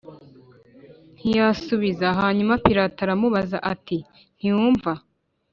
ntiyasubiza Hanyuma Pilato aramubaza ati ntiwumva